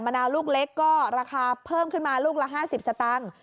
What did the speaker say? นาวลูกเล็กก็ราคาเพิ่มขึ้นมาลูกละ๕๐สตางค์